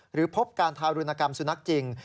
พบการทารุณกรรมสุนัขจริง